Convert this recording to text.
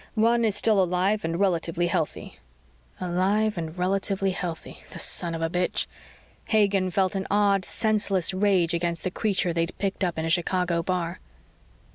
One is still alive and relatively healthy...." Alive and relatively healthy. The son of a bitch! Hagen felt an odd senseless rage against the creature they'd picked up in a Chicago bar.